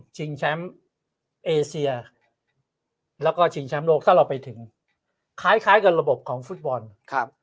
จริงแชมป์เอเซียแล้วก็จริงชันโรคฟะเราไปถึงคล้ายกับระบบของฟุตบอลครับ